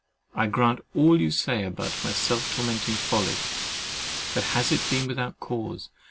I grant all you say about my self tormenting folly: but has it been without cause?